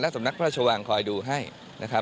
สำนักพระราชวังคอยดูให้นะครับ